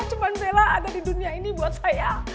cuman zela ada di dunia ini buat saya